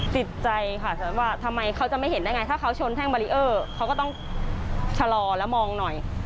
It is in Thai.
จิตใจค่ะแต่ว่าทำไมเขาจะไม่เห็นได้ไงถ้าเขาชนแท่งบารีเออร์เขาก็ต้องชะลอแล้วมองหน่อย